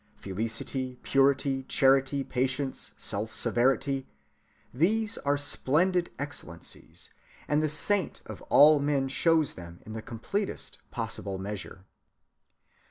Felicity, purity, charity, patience, self‐severity,—these are splendid excellencies, and the saint of all men shows them in the completest possible measure.